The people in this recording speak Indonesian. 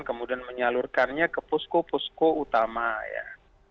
kemudian menyalurkannya ke posko posko utama ya